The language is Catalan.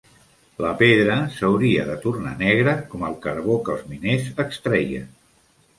La pedra s'hauria de tornar negra com el carbó que els miners extreien.